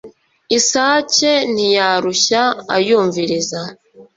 isake ntiyarushya ayumviriza